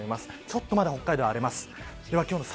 ちょっとまだ北海道、荒れます。